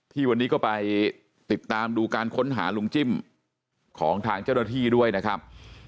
ที่วันนี้ก็ไปติดตามดูการค้นหาลุงจิ้มของทางเจ้าหน้าที่ด้วยนะครับ